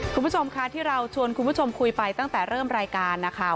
คุณผู้ชมค่ะที่เราชวนคุณผู้ชมคุยไปตั้งแต่เริ่มรายการนะคะ